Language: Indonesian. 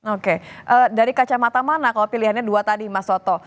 oke dari kacamata mana kalau pilihannya dua tadi mas soto